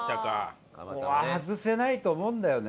ここは外せないと思うんだよね。